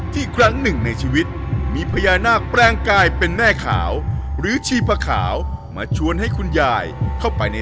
ครั้งหนึ่งในชีวิตมีพญานาคแปลงกายเป็นแม่ขาวหรือชีพะขาวมาชวนให้คุณยายเข้าไปใน